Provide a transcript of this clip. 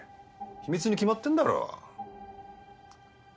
秘密に決まってんだろ。